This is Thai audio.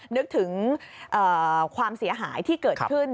นึกถึงความเสียหายที่เกิดขึ้น